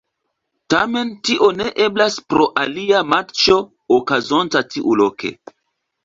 Tamen tio ne eblas pro alia matĉo okazonta tiuloke.